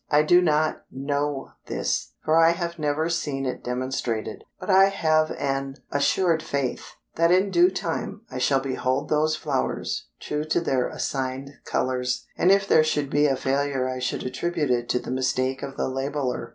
I do not know this, for I have never seen it demonstrated, but I have an assured faith that in due time I shall behold those flowers true to their assigned colors, and if there should be a failure I should attribute it to the mistake of the labeler.